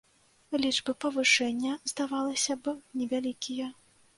Лічбы павышэння, здавалася б, невялікія.